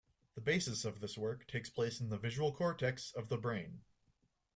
The basis of this work takes place in the visual cortex of the brain.